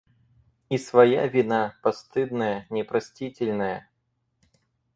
И своя вина, постыдная, непростительная!